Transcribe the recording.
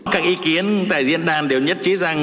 các ý kiến tại diễn đàn đều nhất trí rằng